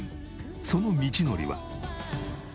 その道のりは。